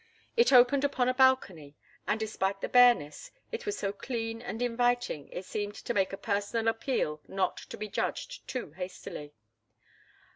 It opened upon a balcony, and, despite the bareness, it was so clean and inviting it seemed to make a personal appeal not to be judged too hastily.